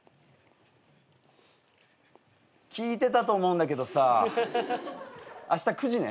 聞いてたと思うんだけどさあした９時ね。